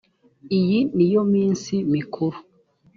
iyi ni yo minsi mikuru .